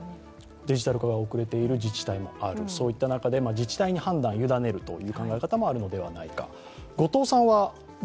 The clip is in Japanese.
デジタル化が遅れている自治体もある、そういった中で自治体に判断をゆだねるという考え方もあるのではないか。